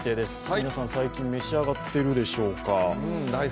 皆さん、最近召し上がっているでしょうか。